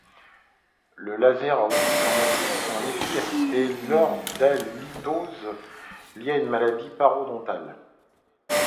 Le laser a aussi son efficacité lors d'halitoses liées à une maladie parodontale.